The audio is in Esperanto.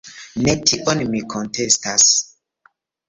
Ne tion mi kontestas.